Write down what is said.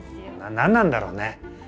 何なんだろうね？